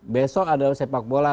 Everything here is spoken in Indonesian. besok ada sepak bola